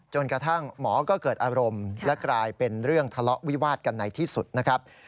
จนกระทั่งหมอก็เกิดอารมณ์และกลายเป็นเรื่องทะเลาะวิวาดกันในที่สุดนะครับ